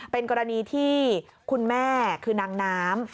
เป็นกรณีที่คุณแม่คือนางน้ำ